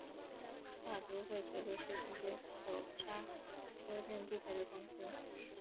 大都会铁路是世界首家修建地铁的公司。